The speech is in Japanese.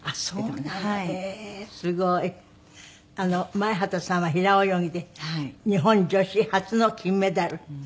前畑さんは平泳ぎで日本女子初の金メダル。